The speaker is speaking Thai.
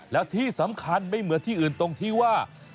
แล้วที่สำคัญไม่เหมือนที่อื่นตรงที่ว่า